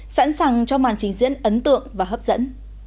sẵn sàng cho màn trình diễn ấn tượng và hấp dẫn